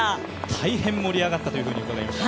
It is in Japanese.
大変盛り上がったと伺いました。